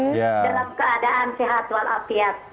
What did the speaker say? dalam keadaan sehat walafiat